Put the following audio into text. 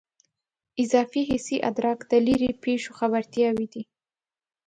اضافي حسي ادراک د لیرې پېښو خبرتیاوې دي.